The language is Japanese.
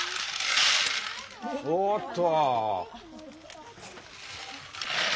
おっと。